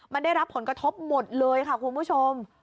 มันได้รับผลกระทบหมดเลยค่ะคุณผู้ชม